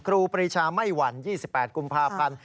ครูปรีชาไม่หวั่น๒๘กุมภาพันธ์